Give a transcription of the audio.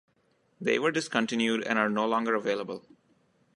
They were discontinued and are no longer available.